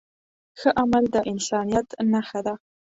ښه عمل د انسانیت نښه ده.